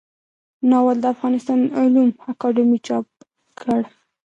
ناول د افغانستان علومو اکاډمۍ چاپ کړ.